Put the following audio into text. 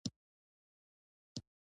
«مذهبي متحدان» د قدرت په شریکانو بدل شول.